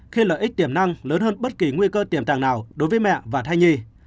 khi lợi ích tiềm năng lớn hơn bất kỳ nguy cơ tiềm tàng nào đối với mẹ và thai nhi